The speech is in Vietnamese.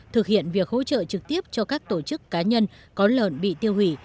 thực hiện việc hỗ trợ trực tiếp cho các tổ chức cá nhân có lợn bị tiêu hủy